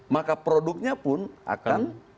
maka produknya pun akan